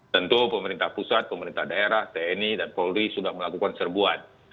tentu pemerintah pusat pemerintah daerah tni dan polri sudah melakukan serbuan